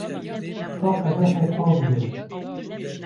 Ka qedehek av bide min.